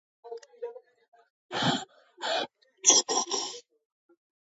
ჯონ ნათან ტერნერმა დაიკავა გრაჰამ უილიამსის ადგილი პროდიუსერად.